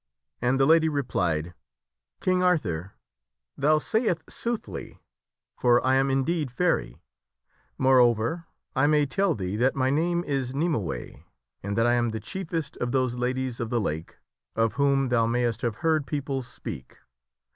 And the Lady replied, " King Arthur, thou sayest soothly, for I am indeed Faerie. Moreover, I may tell thee that my name is Nymue, and that I am the chiefest of those Ladies of the Lake of whom thou mayst have heard people speak.